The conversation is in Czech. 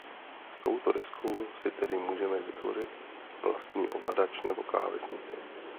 S touto deskou si tedy můžeme vytvořit vlastní ovladač nebo klávesnici.